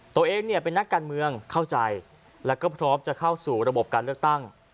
ตัวเองเนี่ยเป็นนักการเมืองเข้าใจแล้วก็พร้อมจะเข้าสู่ระบบการเลือกตั้ง